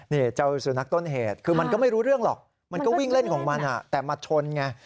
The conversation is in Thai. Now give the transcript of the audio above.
นี่เจ้าสุนัขต้นเหตุคือมันก็ไม่รู้เรื่องหรอกมันก็วิ่งเล่นของมันแต่มาชนไง